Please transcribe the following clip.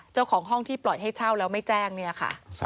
เจ้าของห้องที่ปล่อยให้เช่าแล้วไม่แจ้งเนี่ยค่ะ